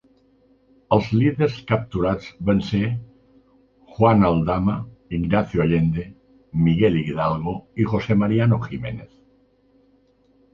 Els líders capturats van ser Juan Aldama, Ignacio Allende, Miguel Hidalgo y José Mariano Jiménez.